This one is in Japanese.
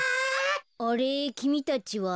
あれきみたちは？